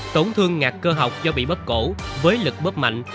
tổn thương ngạc cơ học do bị bóp cổ với lực bóp mạnh